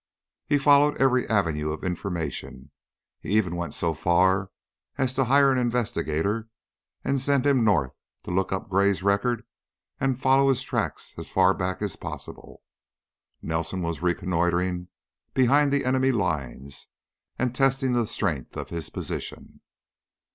He followed every avenue of information; he even went so far as to hire an investigator and send him north to look up Gray's record and to follow his tracks as far back as possible. Nelson was reconnoitering behind the enemy's lines and testing the strength of his position.